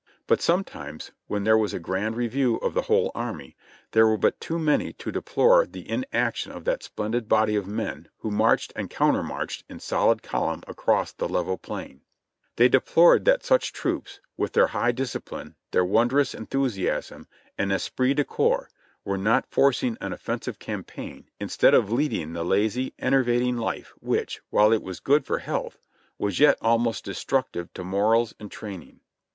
But sometimes, when there was a grand review of the wdiole army, there were but too many to deplore the inaction of that splendid body of men who marched and counter marched in solid column across the level plain ; they deplored that such troops, with their high discipline, their wondrous enthusiasm and "esprit de corps," were not forcing an offensive campaign instead of leading the lazy, enervating life, which, while it was good for health, was yet almost destructive to morals and training.